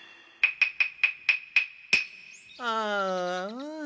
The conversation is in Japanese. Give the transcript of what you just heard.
ああ！